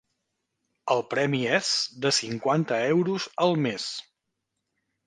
El premi és de cinquanta euros al mes.